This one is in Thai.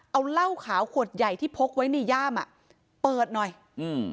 เอาเหล้าขาวขวดใหญ่ที่พกไว้ในย่ามอ่ะเปิดหน่อยอืม